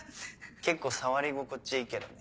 結構触り心地いいけどね。